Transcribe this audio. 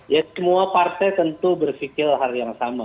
ya semua partai tentu berpikir hal yang sama